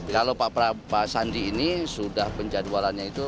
kalau pak sandi ini sudah penjadwalannya itu